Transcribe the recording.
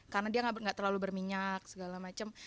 karena dia nggak terlalu berminyak segala macam